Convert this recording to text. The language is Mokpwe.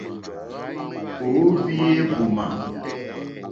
Ò óhwī éhwùmà.